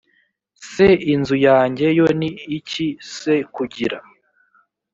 se inzu yanjye yo ni iki s kugira